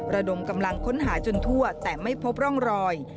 ระดมกำลังค้นหาจนทั่วแต่ไม่พบร่องรอย